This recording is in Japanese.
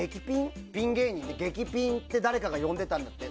ピン芸人で劇ピンって誰かが呼んでたんだって。